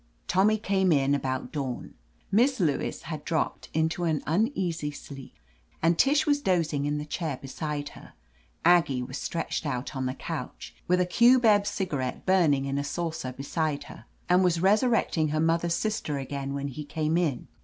Tommy came in about j\ dawn. Miss Lewis had dropped into an uneasy sleep, and Tish was dozing in the chair beside her, Aggie was stretched out on the couch, with a cubeb cigarette burning in a saucer beside her, and was resurrecting her mother's sister again when he came in.